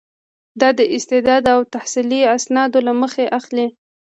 دا د استعداد او تحصیلي اسنادو له مخې اخلي.